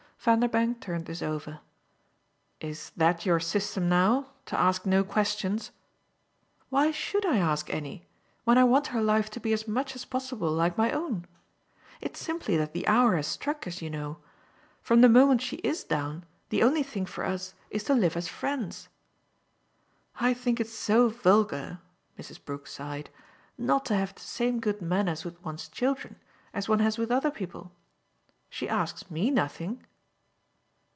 Vanderbank turned this over. "Is that your system now to ask no questions?" "Why SHOULD I ask any when I want her life to be as much as possible like my own? It's simply that the hour has struck, as you know. From the moment she IS down the only thing for us is to live as friends. I think it's so vulgar," Mrs. Brook sighed, "not to have the same good manners with one's children as one has with other people. She asks ME nothing."